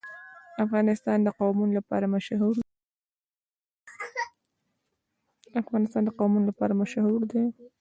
افغانستان د قومونه لپاره مشهور دی.